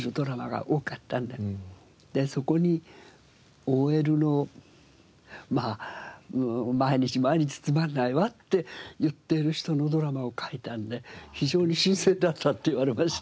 でそこにＯＬの毎日毎日つまんないわって言っている人のドラマを書いたんで非常に新鮮だったって言われました。